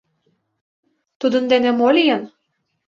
Тудын дене мо лийын?